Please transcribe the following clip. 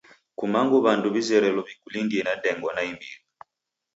Kumangu w'andu w'izerelo w'ikulindie na ndengwa naimbiri.